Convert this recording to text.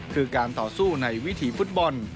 คือการต่อสู้ในวิถีฟุตบอล